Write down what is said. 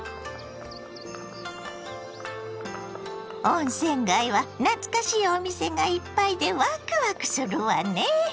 温泉街は懐かしいお店がいっぱいでワクワクするわね。